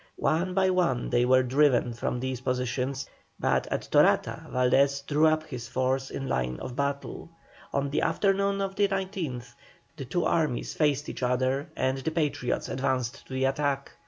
One by one they were driven from these positions, but at Torata Valdés drew up his force in line of battle. On the afternoon of the 19th the two armies faced each other, and the Patriots advanced to the attack.